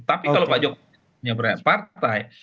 tapi kalau pak jokowi nyeber partai